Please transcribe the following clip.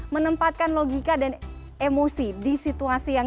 menempatkan logika dan emosi di situasi yang